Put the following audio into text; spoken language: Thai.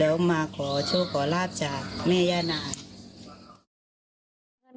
แล้วมาขอโชคลาบจากเมยานาย